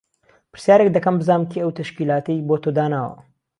پرسیارێک دهکهم بزانم کێ ئەو تهشکیلاتەی بۆ تۆ داناوه